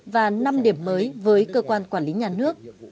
và năm điểm mới với cơ quan quản lý nhà nước